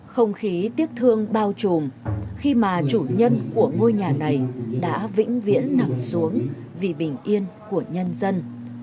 không khí tiếc thương bao trùm khi mà chủ nhân của ngôi nhà này đã vĩnh viễn nằm xuống vì bình yên của nhân dân